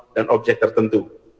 dan objek tertentu